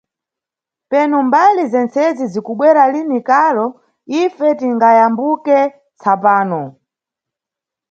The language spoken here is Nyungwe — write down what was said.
Penu mbali zentsezi zikubwera lini karo, ife tingayambuke tsapano.